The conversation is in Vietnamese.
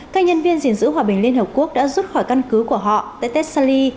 các nhân viên diện giữ hòa bình liên hợp quốc đã rút khỏi căn cứ của họ tại tessali